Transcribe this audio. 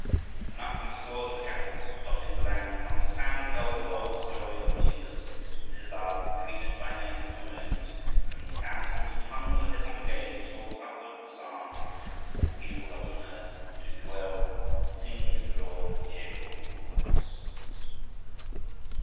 And up from scores of chapels dotting the land, comes the sound of the old, old story of Jesus and his love, preached by native Formosans, and from the thousand tongues of their congregations soars upward the Psalm: All people that on earth do dwell, Sing to the Lord with cheerful voice!